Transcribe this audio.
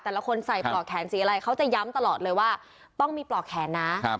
แต่ละคนใส่ปลอกแขนสีอะไรเขาจะย้ำตลอดเลยว่าต้องมีปลอกแขนนะ